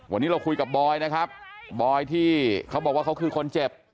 วันนี้เราคุยกับบอยนะครับบอยที่เขาบอกว่าเขาคือคนเจ็บ